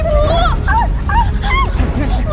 ibu ibu ibu